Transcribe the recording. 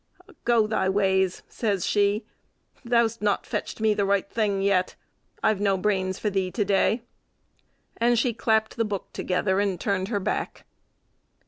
"Go thy ways," says she, "thou 'st not fetched me the right thing yet. I've no brains for thee to day." And she clapt the book together, and turned her back.